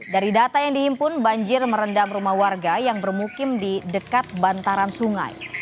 dari data yang dihimpun banjir merendam rumah warga yang bermukim di dekat bantaran sungai